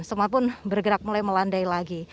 semua pun bergerak mulai melandai lagi